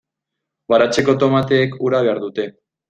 Baratzeko tomateek ura behar dute.